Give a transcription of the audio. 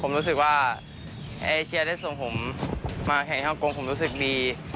ผมรู้สึกว่าเอเชียได้ส่งผมมาแข่งฮ่องกงผมรู้สึกดี